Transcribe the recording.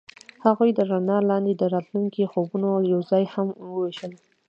هغوی د رڼا لاندې د راتلونکي خوبونه یوځای هم وویشل.